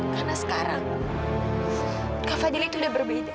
karena sekarang kak fadil itu udah berbeda